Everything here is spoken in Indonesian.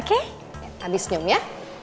oke abi senyum ya